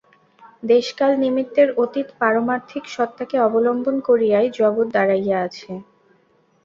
দেশ-কাল-নিমিত্তের অতীত পারমার্থিক সত্তাকে অবলম্বন করিয়াই জগৎ দাঁড়াইয়া আছে।